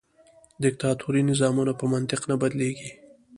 دیکتاتوري نظامونه په منطق نه بدلیږي.